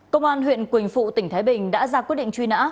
công an huyện quỳnh phụ tỉnh thái bình đã ra quyết định truy nã